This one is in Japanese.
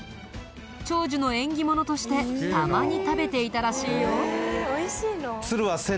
長寿の縁起物としてたまに食べていたらしいよ。